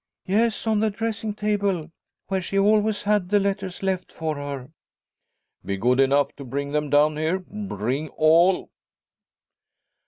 "Yes; on the dressing table, where she always had the letters left for her." "Be good enough to bring them down here. Bring all."